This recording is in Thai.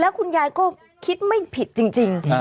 คุณยายก็คิดไม่ผิดจริง